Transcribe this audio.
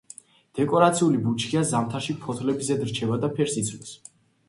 დეკორაციული ბუჩქია, ზამთარში ფოთლები ზედ რჩება და ფერს იცვლის.